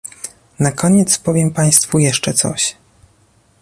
Na koniec powiem państwu jeszcze coś